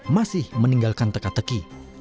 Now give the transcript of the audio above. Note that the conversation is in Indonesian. masih meninggalkan teka teki